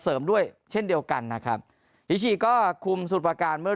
ด้วยเช่นเดียวกันนะครับอิชิก็คุมสุดประการเมื่อ